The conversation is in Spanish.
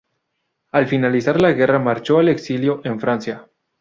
Al finalizar la guerra marchó al exilio en Francia.